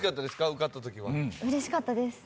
受かったときは嬉しかったです